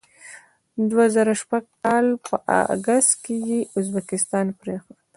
دوه زره شپږ کال په اګست کې یې ازبکستان پرېښود.